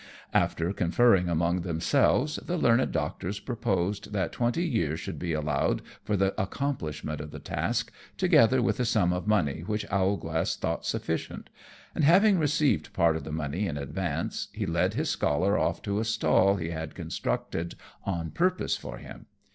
After conferring among themselves, the learned doctors proposed that twenty years should be allowed for the accomplishment of the task, together with a sum of money which Owlglass thought sufficient; and having received part of the money in advance, he led his scholar off to a stall he had constructed on purpose for him.